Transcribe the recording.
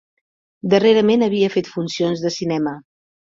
Darrerament havia fet funcions de cinema.